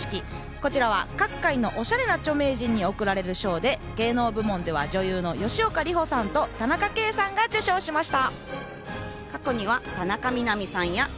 こちらは各界のおしゃれな著名人に贈られる賞で芸能部門では女優の吉岡里帆さんと田中圭さんが受賞しました。